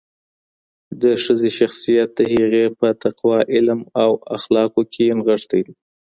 د ښځې شخصیت د هغې په تقوا، علم او اخلاقو کي نغښتی دی.